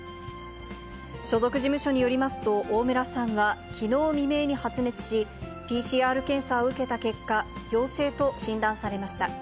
所属事務所によりますと、大村さんはきのう未明に発熱し、ＰＣＲ検査を受けた結果、陽性と診断されました。